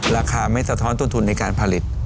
ราคาไม่สะท้อนต้นทุนในการผลิต